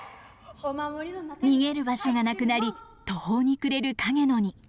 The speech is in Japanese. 逃げる場所がなくなり途方に暮れるカゲノに。